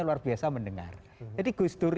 luar biasa mendengar jadi gustur